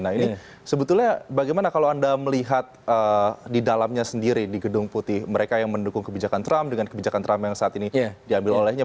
nah ini sebetulnya bagaimana kalau anda melihat di dalamnya sendiri di gedung putih mereka yang mendukung kebijakan trump dengan kebijakan trump yang saat ini diambil olehnya